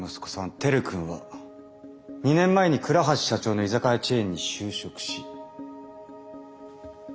輝君は２年前に倉橋社長の居酒屋チェーンに就職し。